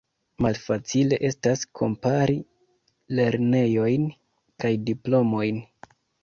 Malfacile estas kompari lernejojn kaj diplomojn.